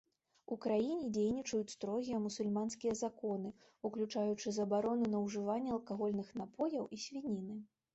У краіне дзейнічаюць строгія мусульманскія законы, уключаючы забарону на ўжыванне алкагольных напояў і свініны.